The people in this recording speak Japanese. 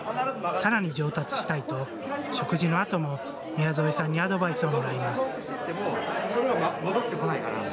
さらに上達したいと食事のあとも宮副さんにアドバイスをもらいます。